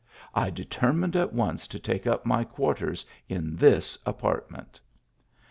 I determined at once to take up my quarters in this apartment.